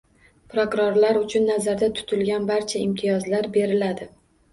Prokurorlar uchun nazarda tutilgan barcha imtiyozlar beriladi